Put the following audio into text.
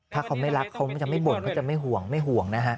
ถ้าเขาไม่รักเขาจะไม่บ่นเขาจะไม่ห่วงไม่ห่วงนะฮะ